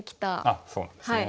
あっそうなんですね。